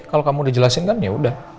kalau kamu udah jelasin kan yaudah